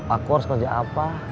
aku harus kerja apa